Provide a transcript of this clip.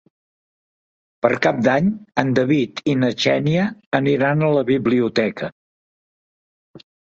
Per Cap d'Any en David i na Xènia aniran a la biblioteca.